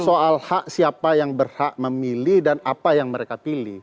soal hak siapa yang berhak memilih dan apa yang mereka pilih